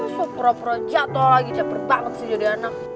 supra pura jatuh lagi cepet banget sih jadi anak